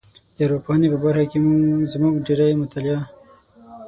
د ارواپوهنې په برخه کې زموږ ډېری مطالعه